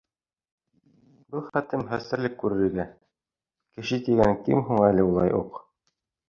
Был хәтлем хәстәрлек күрергә... кеше тигәнең кем һуң әле улай уҡ?